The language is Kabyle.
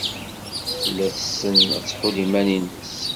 Tella tessen ad tḥudd iman-nnes.